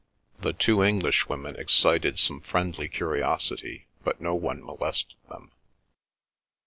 The two Englishwomen excited some friendly curiosity, but no one molested them.